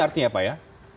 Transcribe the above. artinya apa ya